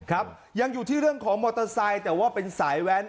ครับยังอยู่ที่เรื่องของมอเตอร์ไซค์แต่ว่าเป็นสายแว้น